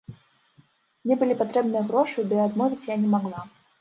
Мне былі патрэбныя грошы, ды і адмовіць я не магла.